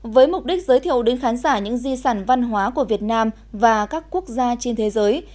với mục đích giới thiệu đến khán giả những di sản văn hóa của việt nam và các quốc gia trên thế giới